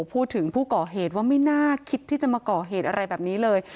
ผู้ก่อเหตุว่าไม่น่าคิดที่จะมาก่อเหตุอะไรแบบนี้เลย